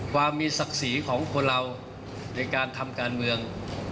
ความมีศักดิ์ศรีของคนเราในการทำการเมือง